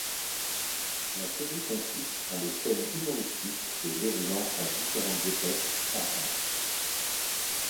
La série consiste en des scènes humoristiques se déroulant à différentes époques en France.